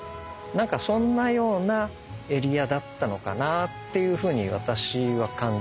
なんかそんなようなエリアだったのかなっていうふうに私は感じます。